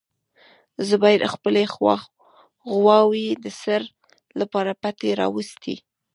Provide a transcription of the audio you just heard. زبیر خپلې غواوې د څړ لپاره پټي ته راوستې.